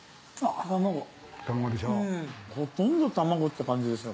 ほとんど卵って感じですね